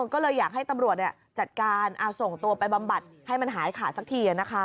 ก็เลยอยากให้ตำรวจจัดการส่งตัวไปบำบัดให้มันหายขาดสักที